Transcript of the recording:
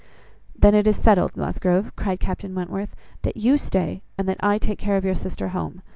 "Then it is settled, Musgrove," cried Captain Wentworth, "that you stay, and that I take care of your sister home.